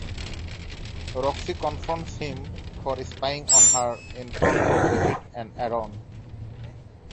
Roxy confronts him for spying on her in front of David and Aaron.